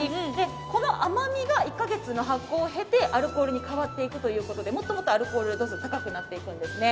この甘みが１カ月の発酵を経てアルコールに変わっていくということでもっともっとアルコール度数が高くなっていくんですね。